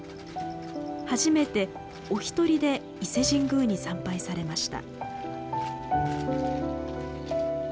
初めておひとりで伊勢神宮に参拝されました。